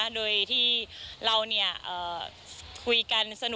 โดยที่เราเนี่ยคุยกันสินะ